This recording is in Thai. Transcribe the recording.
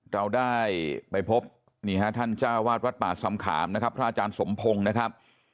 เราได้ไปพบนี่ฮะท่านเจ้าวาดวัดป่าสำขามนะครับพระอาจารย์สมพงศ์นะครับ